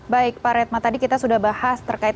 baik pak redma tadi kita sudah bahas terkait